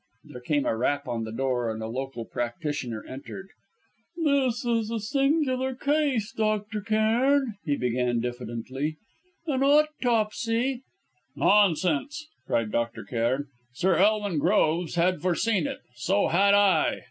There came a rap on the door, and a local practitioner entered. "This is a singular case, Dr. Cairn," he began diffidently. "An autopsy " "Nonsense!" cried Dr. Cairn. "Sir Elwin Groves had foreseen it so had I!"